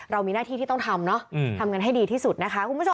เรามีหน้าที่ที่ต้องทำเนอะทำกันให้ดีที่สุดนะคะคุณผู้ชม